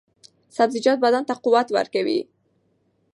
سبزیجات بدن ته قوت ورکوي.